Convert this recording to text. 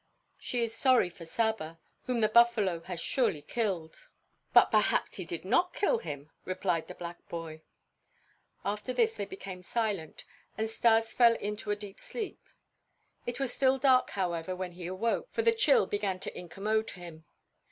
"She is sorry for Saba, whom the buffalo has surely killed." "But perhaps he did not kill him," replied the black boy. After this they became silent and Stas fell into a deep sleep. It was still dark, however, when he awoke, for the chill began to incommode him.